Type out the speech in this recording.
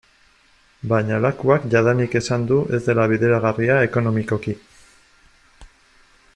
Baina Lakuak jadanik esan du ez dela bideragarria ekonomikoki.